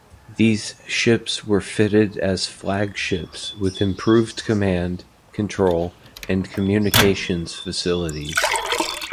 These ships were fitted as flagships with improved command, control and communications facilities.